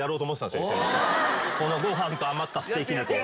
このご飯と余ったステーキ肉を。